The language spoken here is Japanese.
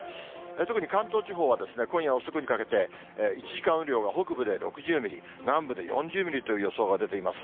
特に関東地方は今夜遅くにかけて、１時間雨量が北部で６０ミリ、南部で４０ミリという予想が出ています。